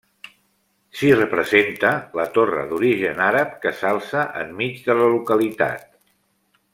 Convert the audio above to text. S'hi representa la torre d'origen àrab que s'alça enmig de la localitat.